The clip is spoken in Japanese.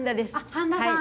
半田さん